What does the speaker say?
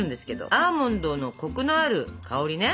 アーモンドのコクのある香りね。